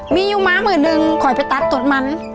มีอยู่ม้าหมื่นนึงคอยไปตัดต้นมัน